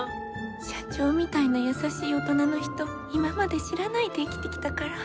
社長みたいな優しい大人の人今まで知らないで生きてきたから。